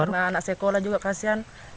sama anak sekolah juga kasihan